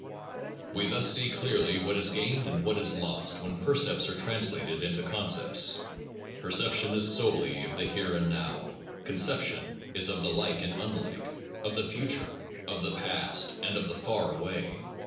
We thus see clearly what is gained and what is lost when percepts are translated into con cepts. Perception is solely of the here and now ; conception is of the like and unlike, of the future, of the past, and of the far away.